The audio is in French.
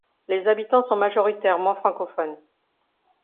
Les habitants sont majoritairement francophones.